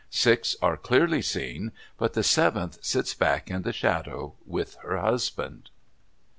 Six are clearly seen, but the seventh sits back in the shadow with her husband.